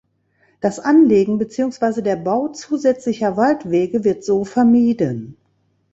Das Anlegen beziehungsweise der Bau zusätzlicher Waldwege wird so vermieden.